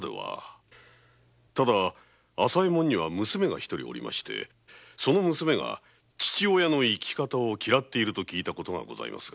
朝右衛門には娘が一人おりましてその娘が父の生き方を嫌っていると聞いた事がございます。